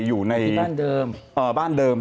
อยูได้อยู่ในบ้านเดิม